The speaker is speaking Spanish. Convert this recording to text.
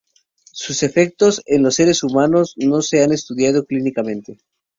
Sus efectos en los seres humanos no se han estudiado clínicamente.